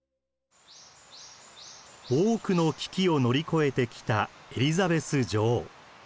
多くの危機を乗り越えてきたエリザベス女王。